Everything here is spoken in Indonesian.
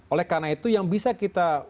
oleh karena itu yang bisa kita